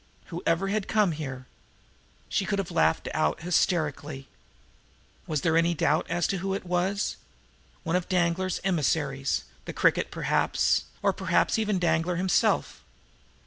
Whoever had come here! She could have laughed out hysterically. Was there any doubt as to who it was? One of Danglar's emissaries; the Cricket, perhaps or perhaps even Danglar himself!